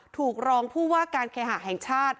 ถูกรองผู้ว่าการเคหาแห่งชาติ